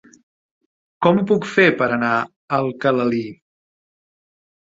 Com ho puc fer per anar a Alcalalí?